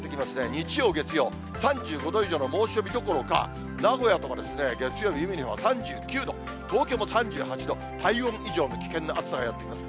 日曜、月曜、３５度以上の猛暑日どころか、名古屋とか月曜日、海の日は３９度、東京も３８度、体温以上の危険な暑さがやって来ます。